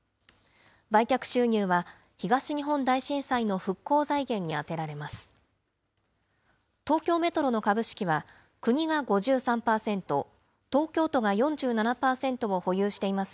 売却収入は、東日本大震災の復興財源に充てられます。